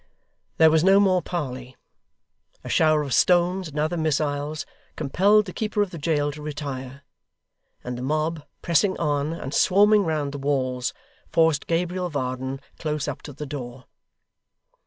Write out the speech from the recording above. There was no more parley. A shower of stones and other missiles compelled the keeper of the jail to retire; and the mob, pressing on, and swarming round the walls, forced Gabriel Varden close up to the door.